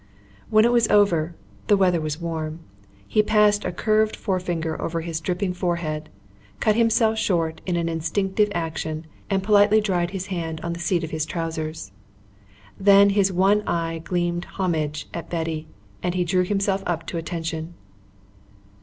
When it was over the weather was warm he passed a curved forefinger over his dripping forehead, cut himself short in an instinctive action and politely dried his hand on the seat of his trousers. Then his one eye gleamed homage at Betty and he drew himself up to attention.